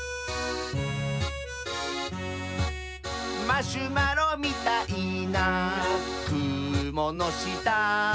「マシュマロみたいなくものした」